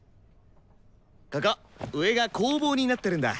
ここ上が工房になってるんだ。